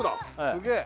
すげえ！